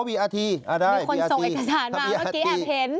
มีคนส่งเอกสารมาเมื่อกี้แอบเห็น